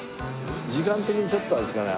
時間的にちょっとあれですかね。